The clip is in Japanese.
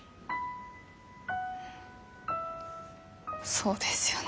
そうですよね。